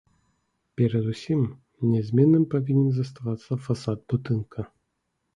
Перадусім, нязменным павінен заставацца фасад будынка.